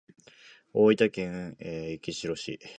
大分県杵築市